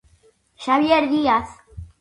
Xavier Díaz.